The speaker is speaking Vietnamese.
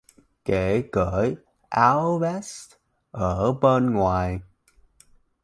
Khẽ cởi áo vest ở bên ngoài